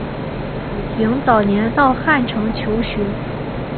武亭早年到汉城求学。